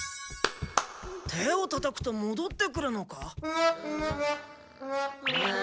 手をたたくともどってくるのか？